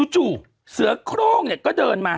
จู่เสือโครงเนี่ยก็เดินมา